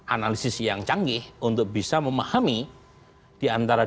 analisis yang canggih untuk bisa memahami diantara